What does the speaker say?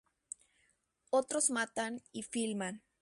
Otros matan y filman.